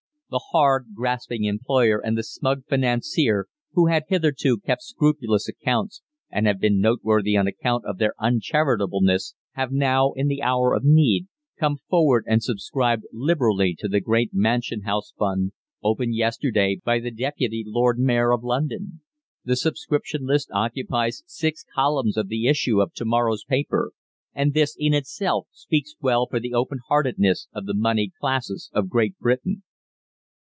The hard, grasping employer and the smug financier, who had hitherto kept scrupulous accounts, and have been noteworthy on account of their uncharitableness, have now, in the hour of need, come forward and subscribed liberally to the great Mansion House Fund, opened yesterday by the Deputy Lord Mayor of London. The subscription list occupies six columns of the issue of to morrow's paper, and this, in itself, speaks well for the openheartedness of the moneyed classes of Great Britain.